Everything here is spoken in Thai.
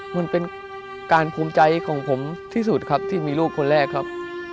มันเป็นการภูมิใจของผมที่สุดครับที่มีลูกคนแรกครับ